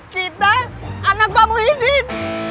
kita anak pak muhyiddin